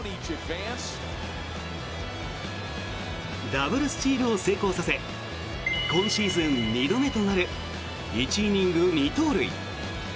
ダブルスチールを成功させ今シーズン２度目となる１イニング２盗塁。